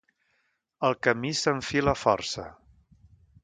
El camí s'enfila força.